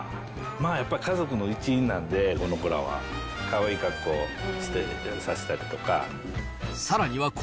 やっぱり家族の一員なんで、この子らは、かわいい格好させたりとか。